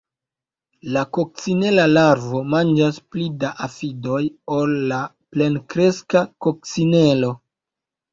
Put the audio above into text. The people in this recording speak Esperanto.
La kokcinela larvo manĝas pli da afidoj ol la plenkreska kokcinelo.